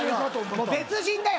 もう別人だよ